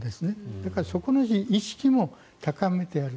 だからそこの意識も高めてやる。